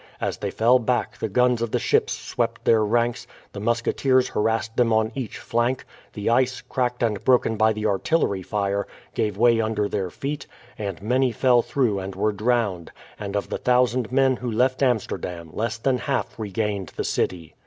As they fell back the guns of the ships swept their ranks, the musketeers harassed them on each flank, the ice, cracked and broken by the artillery fire, gave way under their feet, and many fell through and were drowned, and of the thousand men who left Amsterdam less than half regained that city.